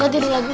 gak tidur lagi